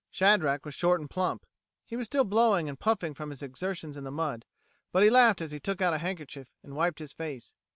Shadrack was short and plump. He was still blowing and puffing from his exertions in the mud, but he laughed as he took out a handkerchief and wiped his face.